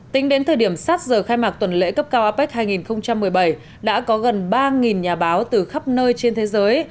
tính đến thời điểm sát giờ khai mạc tuần lễ cấp cao apec hai nghìn một mươi bảy đã có gần ba nhà báo từ khắp nơi trên thế giới